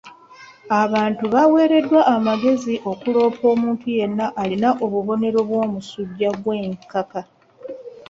Abantu baweereddwa amagezi okuloopa omuntu yenna alina obubonero bw'omusujja gw'enkaka.